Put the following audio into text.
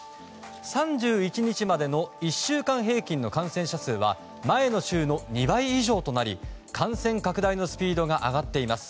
３１日までの１週間平均の感染者数は前の週の２倍以上となり感染拡大のスピードが上がっています。